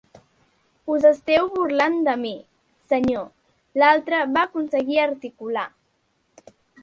Us esteu burlant de mi, senyor, l'altre va aconseguir articular.